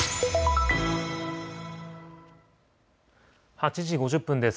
８時５０分です。